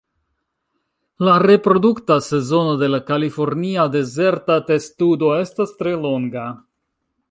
La reprodukta sezono de la Kalifornia dezerta testudo estas tre longa.